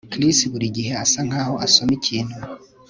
Chris buri gihe asa nkaho asoma ikintu